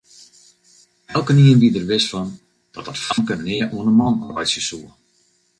Elkenien wie der wis fan dat dat famke nea oan 'e man reitsje soe.